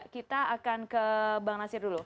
kita akan ke bang nasir dulu